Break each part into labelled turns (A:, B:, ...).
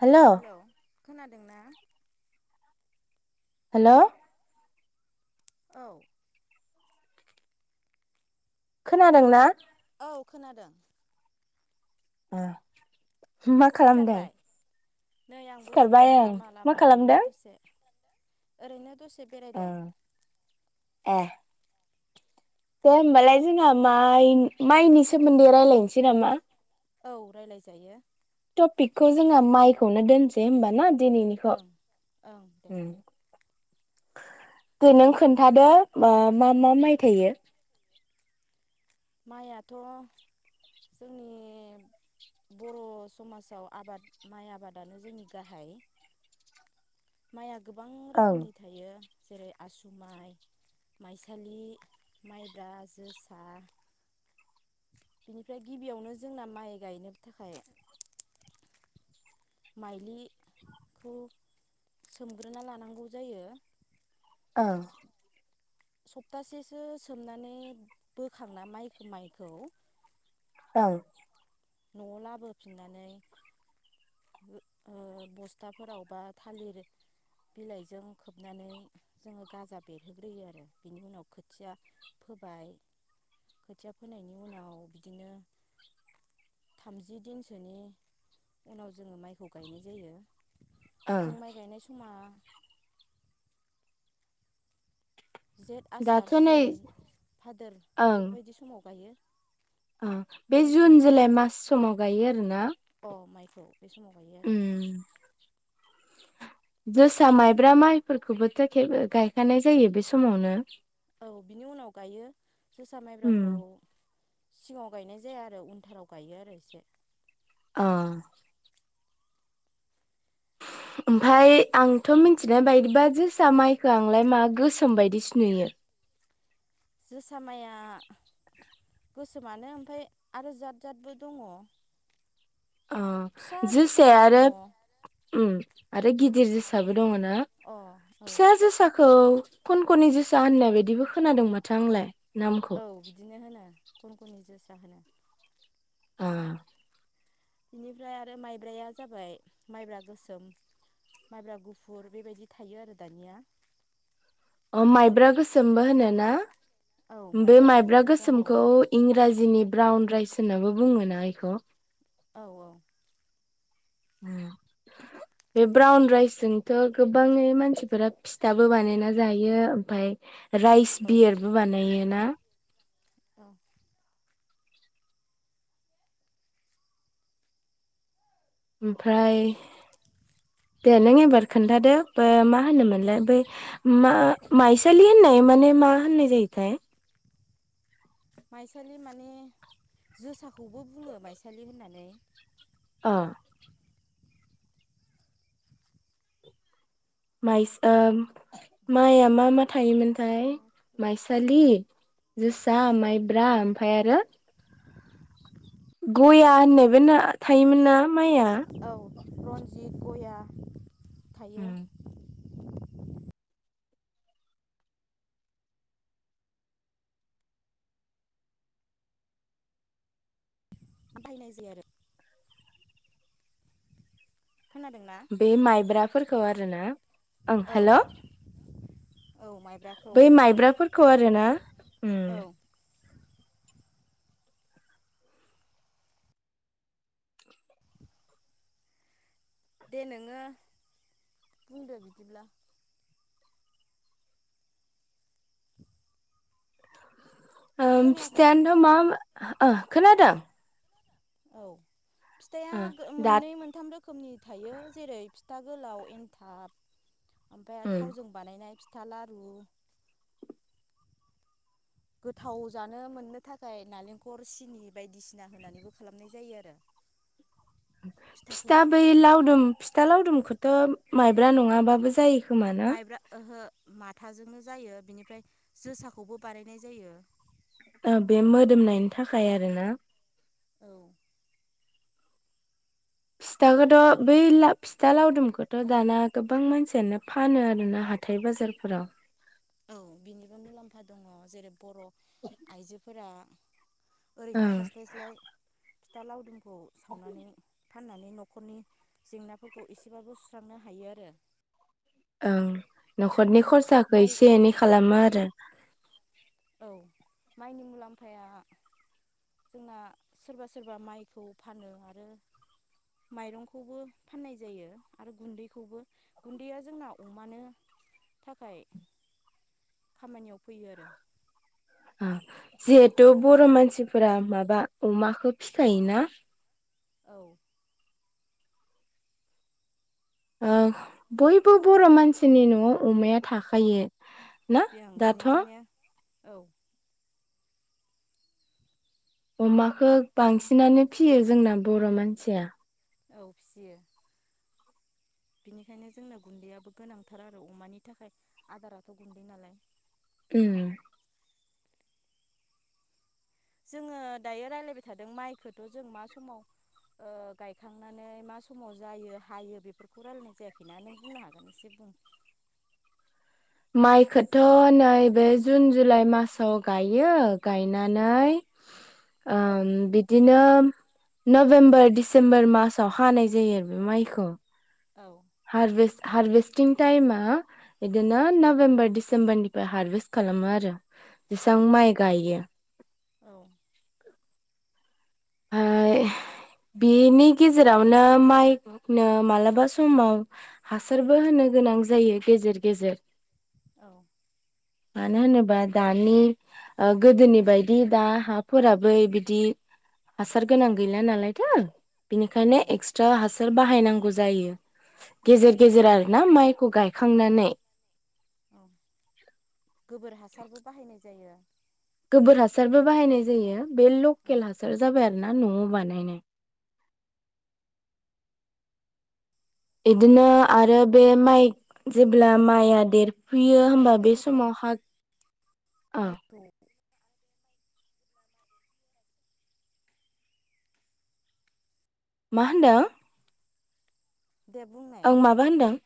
A: Hello
B: खोनादोंना
A: hello.
B: औ
A: खोनादों ना
B: औ खोनादों।
A: ओ।
B: सिखारबाय नै आंबो
A: सिखारबाय
B: सिखारना
A: ओं
B: लामा
A: मा
B: लामा
A: खालामदों
B: ओरैनो दसे। ओरैनो दसे बेरायदों।
A: ए दे होमबालाय जोंहा माइ माइनि सोमोन्दै रायलायनोसै नामा?
B: औ रायलाय जायो।
A: टपिकखौ जोङो माइखौनो दोनसै होमबा ना? दिनैनिखौ
B: ओं ओं दे
A: उम। दे नों खोन्थादो मा मा माइ थायो।
B: माइआथ' जोंनि बर' समाजाव आबाद माइ आबादानो जोंनि गाहाय। माइया गोबां
A: ओं
B: रोखोमनि थायो। जेरै आसु माइ माइसालि माइब्रा जोसा बिनिफ्राय गिबियावनो जोंना माइ गायनो थाखाय माइलिखौ सोमग्रोना लानांगौ जायो।
A: ओं
B: सप्तासेसो सोमनानै बोखांना माइखौ माइखौ।
A: औ।
B: न'आव लाबोफिननानै। बस्थाफोराव बा थालिर बिलाइजों खोबनानै जोङो गाजा बेरहोग्रोयो आरो बिनि उनाव खोथिया फोबाय खोथिया फोनायनि उनाव बिदिनो थामजि दिनसोनि उनाव जोङो माइखौ गायनाय जायो।
A: ओं
B: जों माइ गायनाय समा जेत
A: दाथ'
B: आसार
A: नै
B: सावन फादोर बेबायदि समाव गायो।
A: अ बे
B: माइखौ
A: जुन जुलाइ मास समाव। गायो आरोना।
B: अ माइखौ। बे समाव गायो आरो।
A: उम जोसा माइब्रा माइफोरखौबोथ' गायखानाय जायो बे समावनो
B: औ बिनि उनाव गायो जोसा
A: उम
B: माइब्राखौ सिगाव गायनाय जाया आरो उिन्टाराव गायो आरो एसे
A: औ ओमफफ्राय आंथ' मिथिनाय बायदिबा जोसा माइखौो आंलाय मा गोसोम बायदिस नुयो।
B: जोसाामाया गोसोमानो ओमफ्राय आरो जाद जादबो दङ
A: अ
B: फिसा जोसाबो
A: जोसाया
B: दङ
A: आरो
B: अ
A: उम आरो गिदिर जोसाबो दङ ना
B: औ
A: फिसा जोसाखौ खन खननि जोसा होननाय बायदिबो खोनादों माथो आंलाय नामखौ
B: औ बिदिनो होनो खन खननि जो सा होनो
A: ओ
B: बेनिफ्राय आरो माइब्राया जाबाय माइब्रा गोसोम माइब्रा गुफुर बेबायदि थायो आरो दानिया
A: माइब्रा गोसोमबो होनोना?
B: औ
A: बे माइब्रा
B: गुफुरबो दङ औ
A: गोसोमखौ इंराजिनि ब्राउन राइस होनाबो बुङो ना इखौ?
B: औ औ
A: उम बे ब्राउन राइसजोंथ गोबाङै मानसिफोरा फिथाबो बानायना जायो ओमफाय राइस
B: औ
A: बियारबो बानायो ना
B: औ
A: ओमफ्राय दे नों एबार खोन्थादो मा होनोमोनलाय बै मा माइसालि होननाय माने मा होननाय जायोथाय?
B: माइसालि माने जोसाखौबो बुङो माइसालि होननानै
A: ओ माइस ओ माइआ मा मा था थायोमोनथाय
B: मोनाखै
A: माइसालि जोसा माइब्रा ओमफ्राय आरो गया होननायबो ना थायोमोन ना? माइआ
B: रनजिथ गया थायो बायनाय जाया आरो खोनादों ना
A: बे माइब्रा फोरखौ आरोना ओं
B: औ
A: हेल
B: औ माइब्राखौ
A: बै माइब्राफोरखौ आरो रो ना उम
B: औ दे नोङो बुंदो बिदिब्ला।
A: ओम
B: खोनायाखै
A: फिथायान्थ मा? ओह खोनादों।
B: औ
A: ओ
B: फिथाइआ
A: दा
B: मोननै मोनथाम रोखोमनि थायो जेरै ता गोलाव एनथाब। ओमफ्राय आ
A: उम
B: थावजों बानायनाय फिथ था लारू। गोथाव जानो मोननो थाखाय नालेंखर सिनि बायदिसिना होनानैबो खालामनाय जायो आरो। फिथाखौ
A: फिथा बै लावदुम फिथा लावदुमखौथ माइब्रा नङाबाबो जायो। खोमा ना?
B: माइब्रा ओहो माथाजोंनो जायो बिनिफ्राय जोसाखौबो बानायनाय जायो।
A: बे मोदोमनायनि थाखाय आरोना
B: औ
A: फिथाखौथ बै फिथा लावदुमखौथ दाना गोबां मानसियानो फानो आरोना हाथाय बाजारफोराव।
B: औ बिनिबो मुलाम्फा दङ जेरै बर' आइजोफोरा ओरैनो
A: ओं
B: थास्लायस्लाय फिथा लावदुम खौ सावनानै फाननानै न'खरनि जेंनाफोरखौ एसेबाबो सुस्रांनो हायो आरो।
A: ओं नखर न'खरनि खरसाखौ
B: माइ
A: एसे एनै खालामो आरो
B: औ माइनि मुलाम्फाया जोंना सोरबा सोरबा माइखौ फानो आरो माइरंखौबो फाननाय जायो आरो गुन्दैखौबो गुन्दैया जोंना अमानो थाखाय खामानियाव फैयो आरो।
A: जिहेथु बर' मानसिफोरा माबा अमाखौ फिखायोना?
B: औ
A: ओ बयबो बर' मानसिनि न'आव अमाया थाखायो। ना
B: बे आं
A: दाथ'
B: बिनिखायनो औ
A: अमाखो बांसिनानो फियो जोंना बर' मानसिया।
B: औ फियो। बिनिखायनो जोंना गुन्दैयाबो गोनांथार आरो अमानि थाखाय आदाराथ' गुन्दै नालाय।
A: ओम।
B: जोङो दायो रायलायबाय थादों माइखोथ' जों मा समाव ओ गायखांनानै मा समाव जायो हायो बेफोरखौ रायलायनाय जायाखैना नों बुंनो हागोन इसे बुं
A: माइखोथ' नैबे जुन जुलाइ मासाव गायो गायनानै। ओ बिदिनो नभेम्बर डिसेम्बर मासाव हानाय जायो आरो बे माइखौ हारभेस्ट हारभेस्टिं टाइमा बिदिनो नभेम्बर डिसेम्बरनिफ्राय हारभेस्ट खालामो आरो। बिसां माइ गायो।
B: औ-औ-औ-औ-औ-औ-औ
A: आ बिनि गेजेरावनो माइखौनो मालाबा समाव हासारबो होनो गोनां जायो गेजेर गेजेर।
B: औ
A: मानो होनोबा दानि ओ गोदोनि बायदि दा हाफोराबो बिदि हासार गोनां गैला नालायथो। बिनिखायनो एक्सट्रा हासार बाहायनांगौ जायो। गेजेर गेजेर आरोना माइखौ गायखांनानै
B: गोबोर हासारबो बाहायनाय जायो।
A: गोबोर हासारबो बाहायनाय जायो। बे
B: औ-औ
A: लकेल हासार जाबाय आरो ना न'आव बानायनाय। इदिनो आरो बे माइ जेब्ला माइया देर फुयो
B: बेनिफ्राय
A: होमबा बे
B: जोङो
A: समाव हा आ।
B: माइखौ
A: मा होनदों?
B: दे बुंनाय
A: ओं माबा होनदों?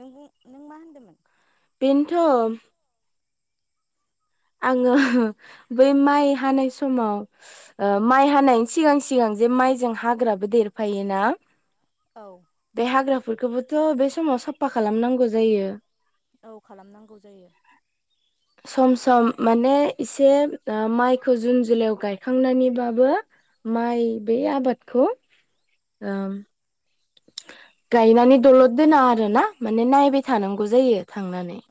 B: नों बुं नों मा होनदोंमोन?
A: बेन्थ'। आङो बै माइ हानाय समाव ओ माइ हानायनि सिगां सिगां जे माइजों हाग्राबो देरफायोना।
B: औ-औ
A: बेहाग्रा बेफोरखोबोथ' बे समाव साफा खालामनांगौ जायो।
B: औ खालामनांगौ जायो।
A: सम सम माने इसे ओ माइखौ जुन जुलाइयाव गायखांनानैबाबो माइ बै आबादखौ ओ गायनानै दलद दोना आ रोना। माने नायबाय
B: औ-औ-औ
A: थानांगौ जायो थांनानै।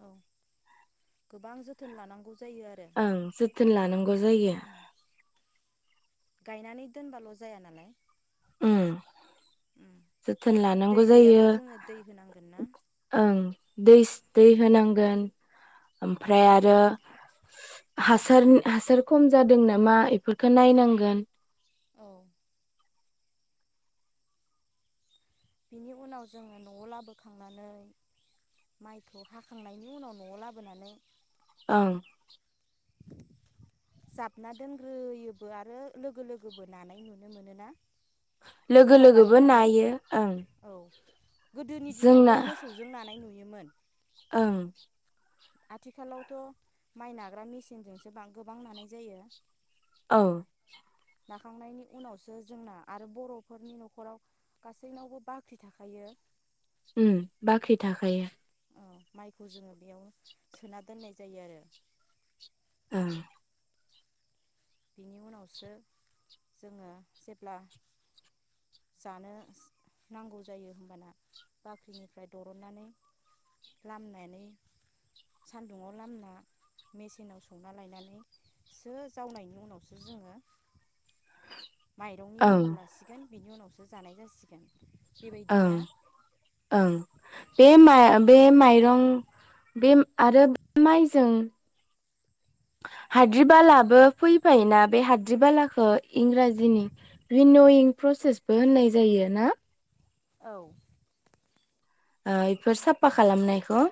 B: गोबां जोथोन लानांगौ जायो आरो
A: थोन लानांगौ जायो।
B: उम गायनानै दोनबाल' जाया नालाय।
A: उम।
B: उम
A: जोथोन
B: दै
A: लानांगौ जायो
B: गैयाबा जोङो दै होनांगोन ना
A: ओं। दैस दै होनांगोन ओमफ्राय आरो
B: औ
A: हासार हासार खम जादों नामा इफोरखो नायनांगोन।
B: औ। बिनि उनाव जोङो न'आव लाबोखांनानै माइखौ हाखांनायनि उनाव न'आव लाबोनानै
A: ओं।
B: जाबना दोनग्रोयोबो आरो लोगो लोगोबो नानाय नुनो मोनोना।
A: लोगो
B: साफा
A: लोगोबो
B: बानायनानै
A: नायो ओं।
B: औ गोदोनि दिनावथ'
A: जोंना
B: मोसौजों नानाय नुयो मोन
A: ओं
B: आथिखालावथ' माइ नाग्रा मेसिनजोंसो बां गोबां नानाय जायो।
A: औ
B: नाखांनायनि उनावसो जोंना आरो बर'फोरनि न'खराव गासैनावबो बाख्रि थाखायो।
A: उम बाख्रि थाखायो।
B: औ माइखौ जोंङो बेयाव सोना दोननाय जायो आरो
A: ओं
B: बिनि उनावसो जोंङो जेब्ला जानोस नांगौ जायो होमबाना बाख्रिनिफ्राय दरननानै लामनानै सानदुंङाव लामना मेसिनाव संना लायनानैसो जावनाय नि उनावसो जोंङो माइरंनि
A: ओं
B: महर लासिगोन बिनि उनावसो जानाय जासिगोन। बेबायदि
A: ओं
B: ना
A: ओं बे मा बे माइरं बे आरो माइजों हाद्रि बालाबो फैफायो ना बे हाद्रि बालाखो इंराजिनि भिनयिं फ्रसेसबो होननाय जायो ना?
B: औ
A: ओ इफोर साफा खालामनायखो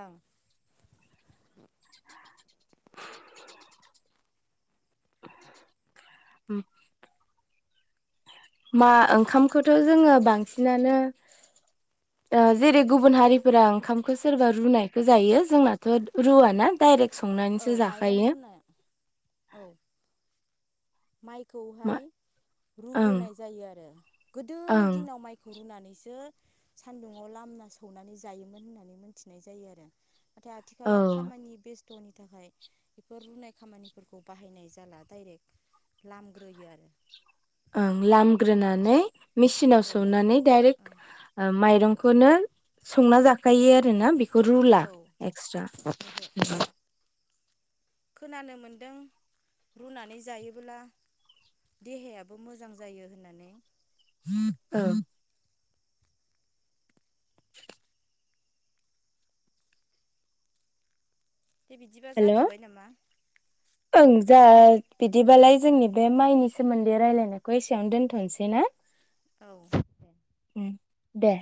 B: ओं
A: [inaudible] उम मा ओंखामखौथ' जोंङो बांसिनानो ओ जेरै गुबुन हारिफोरा ओंखामखौ सोरबा रुनायखौ जायो जोंनाथ' रुवाना डायरेक्ट
B: औ माइरं रुना औ
A: मा
B: माइखौहाय
A: ओं
B: रुग्रोनाय जायो आरो गोदोनि
A: ओं
B: दिनाव माइखौ रुनानैसो सान्दुङाव लामना सौनानै जायोमोन होननानै मोन्थिनाय जायो आरो नाथाय आथिखालाव
A: औ
B: खामानि बेस थ'नि थाखाय बेफोर रुनाय खामानिफोरखौ बाहायनाय जाला डाइरेक्ट लामग्रोयो आरो
A: ओं लामग्रोनानै मेसिनाव
B: औ
A: सौनानै डाइरेक्ट
B: ओं
A: ओ माइरं खौनो संना जा खायो आरोना बेखौ रुला
B: औ
A: एक्सट्रा
B: ओहो खोनानो मोनदों रुनानै जायोबोब्ला देहायाबो मोजां जायो होननानै
A: औ
B: दे बिदिबा जाथबाय नामा
A: ओंजा बिदिबालाय जोंनि बे माइनि सोमोन्दै रायलायनायखौ एसेयावनो दोनथनोसै ना
B: औ
A: दे